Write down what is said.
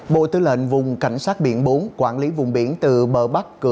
bộ tư lệnh vùng cảnh sát biển bốn quản lý vùng biển từ bờ bắc cửa